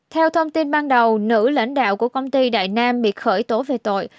theo thông tin ban đầu nữ lãnh đạo của công ty đại nam bị khởi tố về tội